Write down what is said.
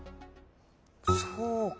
そうか。